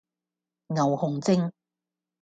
牛熊證